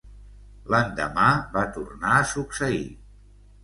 L'endemà va tornar a succeir.